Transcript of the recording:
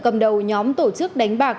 cầm đầu nhóm tổ chức đánh bạc